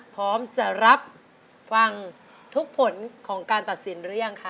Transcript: พร้อมจะรับฟังทุกผลของการตัดสินหรือยังคะ